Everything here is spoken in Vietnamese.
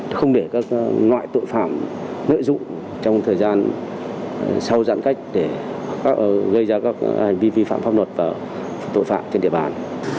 không để các loại tội phạm lợi dụng trong thời gian sau giãn cách để gây ra các hành vi vi phạm pháp luật và tội phạm trên địa bàn